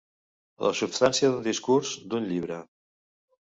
La substància d'un discurs, d'un llibre.